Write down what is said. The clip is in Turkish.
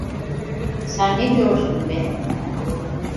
Sen ne diyorsun be?